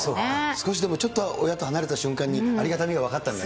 少しでもちょっと親と離れた瞬間にありがたみが分かったんだ